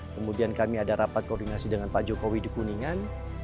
kemudian kami ada rapat koordinasi dengan pak jokowi di kuningan